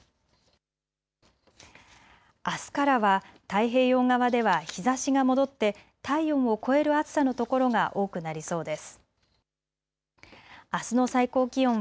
あすからは太平洋側では日ざしが戻って体温を超える暑さのところが多くなりそうです。